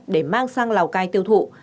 để mang sang lào cai tiêu thụ